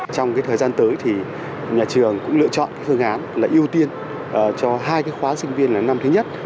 trong cái thời gian tới thì nhà trường cũng lựa chọn cái phương án là ưu tiên cho hai cái khóa sinh viên là năm thứ nhất